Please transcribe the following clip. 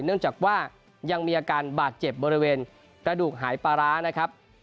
เนื่องจากว่ายังมีอาการบาดเจ็บบริเวณกระดูกหายปลาร้านะครับ